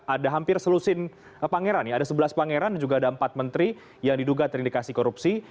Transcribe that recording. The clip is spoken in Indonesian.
ada hampir selusin pangeran ya ada sebelas pangeran dan juga ada empat menteri yang diduga terindikasi korupsi